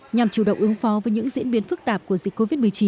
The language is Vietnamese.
nhằm chủ động ứng phó với những diễn biến phức tạp của dịch covid một mươi chín